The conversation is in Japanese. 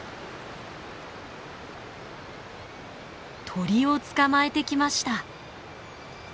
鳥を捕まえてきました。